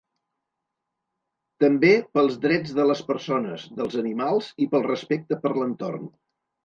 També pels drets de les persones, dels animals i pel respecte per l’entorn.